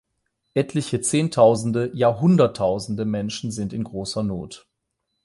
Etliche zehntausende, ja hunderttausende Menschen sind in großer Not.